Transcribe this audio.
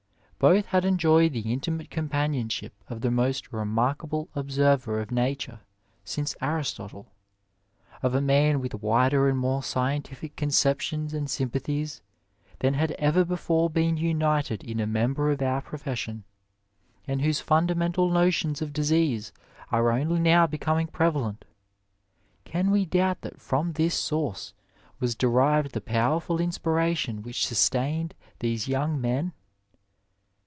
Both had enjoyed the intimate companionship of the most remarkable observer of nature since Aristotle, of a man with wider and more scientific conceptions and sympathies than had ever before been united in a member of our profession, and whose funda mental notions of disease are only now becoming prevalent. Can we doubt that from this source was derived the power ful inspiration which sustained these young men.